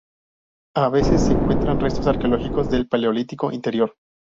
A veces se encuentran restos arqueológicos del Paleolítico inferior.